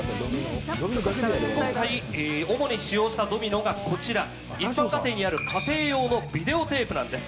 今回、主に使用したドミノがこちら、一般家庭にある家庭用のビデオテープなんです。